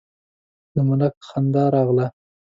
د ملک خندا راغله: